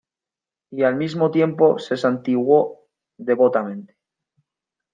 y al mismo tiempo se santiguó devotamente.